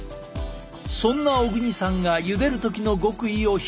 そんな小國さんがゆでる時の極意を披露。